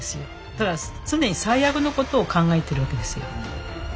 だから常に最悪のことを考えているわけですよ。